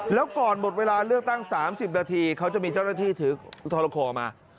แล้วก่อนหมดเวลาเลือกตั้ง๓๐นาทีเขาจะมีเจ้าหน้าที่ถือทรคอมา